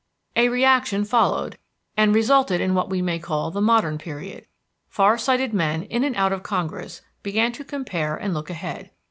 A reaction followed and resulted in what we may call the modern period. Far sighted men in and out of Congress began to compare and look ahead.